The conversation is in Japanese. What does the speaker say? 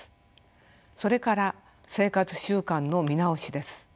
それから生活習慣の見直しです。